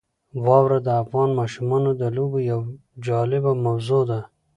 واوره د افغان ماشومانو د لوبو یوه جالبه موضوع ده.